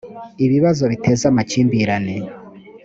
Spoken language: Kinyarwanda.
ibibazo biteza amakimbirane